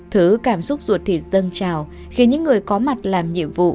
thứ cảm xúc ruột thịt dâng trào khiến những người có mặt làm nhiệm vụ